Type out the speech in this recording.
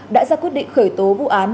đã ra quyết định khởi tố vụ án